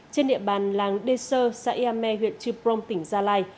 trên địa bàn làng đê sơ xã yà mê huyện trư prong tỉnh gia lai